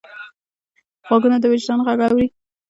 غوږونه د وجدان غږ اوري